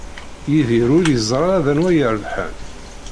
Yidir ur yeẓri ara d anwa i irebḥen.